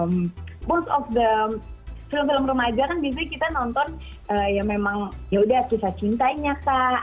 moost of the film film remaja kan biasanya kita nonton ya memang yaudah kisah cintanya kak